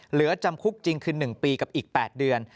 เหลือจำคุกจริงคือ๑ปีกับอีก๘เดือน